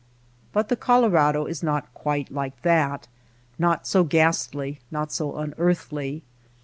But the Colorado is not quite like that — not so ghastly, not so unearthly.